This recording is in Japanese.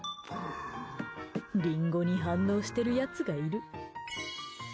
リンゴに反応してるやつがいる。